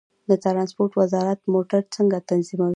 د ترانسپورت وزارت موټر څنګه تنظیموي؟